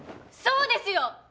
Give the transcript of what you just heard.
そうですよ！